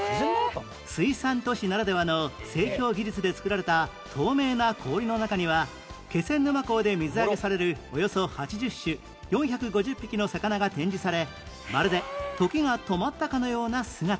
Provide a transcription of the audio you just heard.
水産都市ならではの製氷技術で作られた透明な氷の中には気仙沼港で水揚げされるおよそ８０種４５０匹の魚が展示されまるで時が止まったかのような姿が